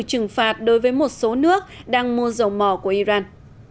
trừng phạt đối với một số nước đang mua dầu mỏ của iran